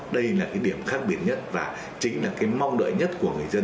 đây là cái điểm khác biệt nhất và chính là cái mong đợi nhất của người dân